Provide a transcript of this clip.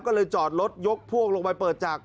ก็เลยจอดรถยกพวกลงไปเปิดจาก